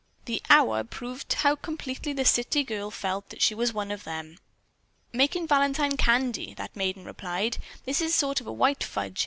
The "our" proved how completely the city girl felt that she was one of them. "Making Valentine candy," that maiden replied. "This is a sort of a white fudge.